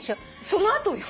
その後よ。